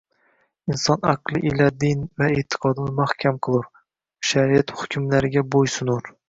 Inson aqli ila din va e’tiqodini mahkam qilur, shariat hukmlariga bo’yunsunar